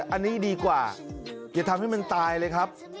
อันนี้ดีกว่าอย่าทำให้มันตายเลยครับ